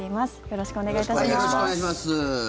よろしくお願いします。